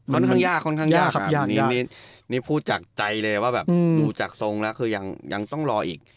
ค่อนข้างยากค่อนข้างยากครับยากนี่พูดจากใจเลยว่าแบบดูจากทรงแล้วคือยังต้องรออีก